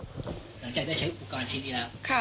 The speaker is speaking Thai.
หลังจากได้ใช้อุปกรณ์ชิ้นนี้แล้ว